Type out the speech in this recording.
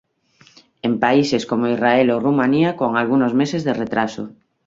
En países como Israel o Rumania con algunos meses de retraso.